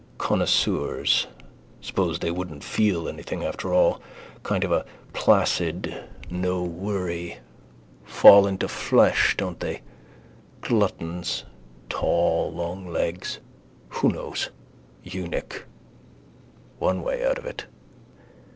Connoisseurs. Suppose they wouldn't feel anything after. Kind of a placid. No worry. Fall into flesh, don't they? Gluttons, tall, long legs. Who knows? Eunuch. One way out of it.